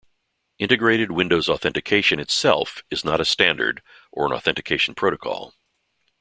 Integrated Windows Authentication itself is not a standard or an authentication protocol.